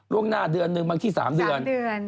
หน้าเดือนหนึ่งบางที่๓เดือน